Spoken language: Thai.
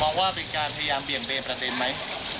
มองว่าเป็นการพยายามเบียงเบนประเด็นมั้ย